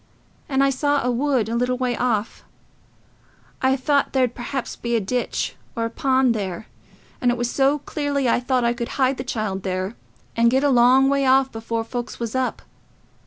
And I saw a wood a little way off... I thought there'd perhaps be a ditch or a pond there... and it was so early I thought I could hide the child there, and get a long way off before folks was up.